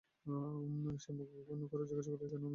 সে মুখ বিবর্ণ করিয়া জিজ্ঞাসা করিল, কেন, আমি কী করেছি?